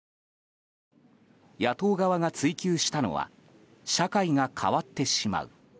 野党側が追及したのは社会が変わってしまう。